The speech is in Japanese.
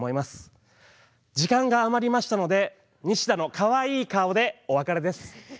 時間が余りましたのでニシダのかわいい顔でお別れです。